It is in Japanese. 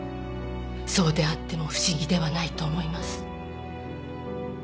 そうであっても不思議ではないと思います。